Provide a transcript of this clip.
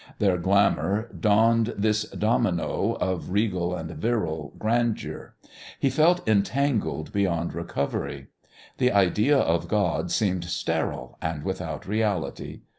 Their glamour donned this domino of regal and virile grandeur. He felt entangled beyond recovery. The idea of God seemed sterile and without reality.